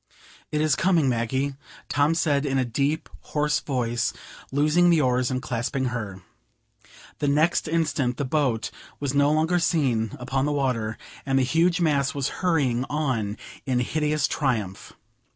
"It is coming, Maggie!" Tom said, in a deep, hoarse voice, loosing the oars, and clasping her. The next instant the boat was no longer seen upon the water, and the huge mass was hurrying on in hideous triumph.